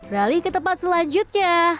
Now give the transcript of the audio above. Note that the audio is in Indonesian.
rali ke tempat selanjutnya